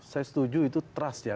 saya setuju itu trust ya